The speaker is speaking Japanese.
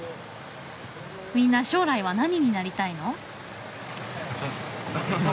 みんな将来は何になりたいの？